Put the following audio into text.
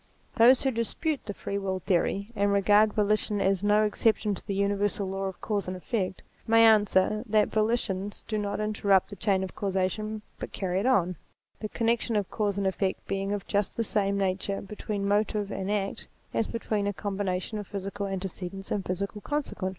Those who dispute the Free Will theory, and regard, volition as no exception to the Universal law of Cause and Effect, may answer, that volitions do not interrupt the chain of causation, but carry it on, the connection of cause and effect being of just the same nature be tween motive and act as between a combination of physical antecedents and a physical consequent.